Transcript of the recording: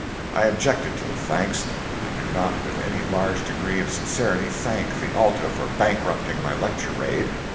I objected to the thanks. I could not with any large degree of sincerity thank the "Alta" for bankrupting my lecture raid.